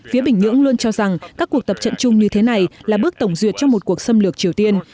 phía bình nhưỡng luôn cho rằng các cuộc tập trận chung như thế này là bước tổng duyệt cho một cuộc xâm lược triều tiên